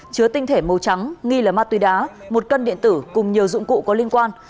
chứa tinh thể màu trắng nghi là ma túy đá một cân điện tử cùng nhiều dụng cụ có liên quan